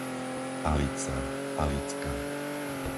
Alica, Alicka